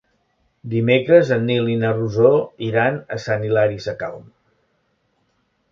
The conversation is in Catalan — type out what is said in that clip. Dimecres en Nil i na Rosó iran a Sant Hilari Sacalm.